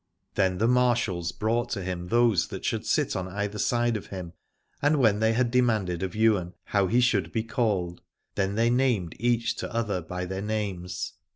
Then the marshals brought to him those that should sit on either side of him, and when they had demanded of Ywain how he should be called, then they named each to other by their names.